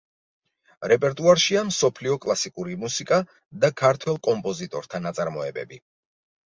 რეპერტუარშია მსოფლიო კლასიკური მუსიკა და ქართველ კომპოზიტორთა ნაწარმოებები.